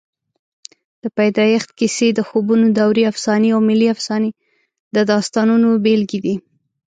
د پیدایښت کیسې، د خوبونو دورې افسانې او ملي افسانې د داستانونو بېلګې دي.